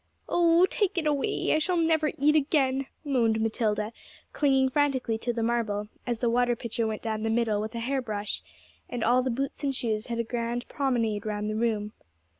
'Oh, take it away! I shall never eat again,' moaned Matilda, clinging frantically to the marble, as the water pitcher went down the middle with a hair brush, and all the boots and shoes had a grand promenade round the room.